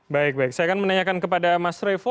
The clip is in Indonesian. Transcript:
baik baik saya akan menanyakan kepada mas revo